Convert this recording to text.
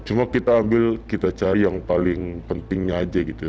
cuma kita ambil kita cari yang paling pentingnya aja gitu